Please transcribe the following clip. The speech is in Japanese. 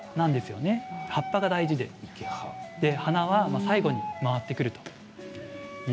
葉っぱが大事で花は最後に回ってくる。